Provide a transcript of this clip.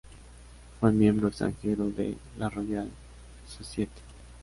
Fue Miembro Extranjero de la Royal Society.